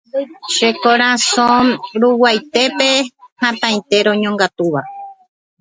Che korasõ ruguaitépe hatãite roñongatúva